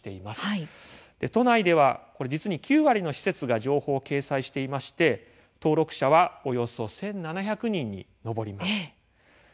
都内ではこれ実に９割の施設が情報を掲載していまして登録者はおよそ１，７００人に上ります。